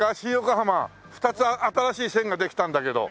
２つ新しい線ができたんだけど。